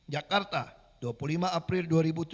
jakarta dua puluh lima april dua ribu tujuh belas